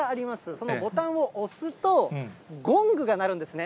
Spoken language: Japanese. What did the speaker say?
そのボタンを押すと、ゴングが鳴るんですね。